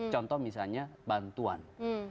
contoh misalnya bantuan